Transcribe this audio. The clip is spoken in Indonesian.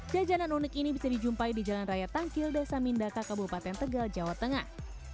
jajanan unik ini bisa dijumpai di jalan raya tangkil desa mindaka kabupaten tegal jawa tengah